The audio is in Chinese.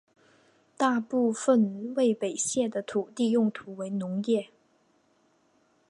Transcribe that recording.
大部分威北县的土地用途为农业。